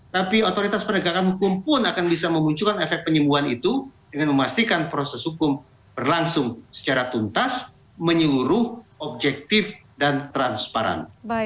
tapi otoritas penegakan hukum pun akan bisa memunculkan efek penyembuhan itu dengan memastikan proses hukum berlangsung secara tuntas menyeluruh objektif dan transparan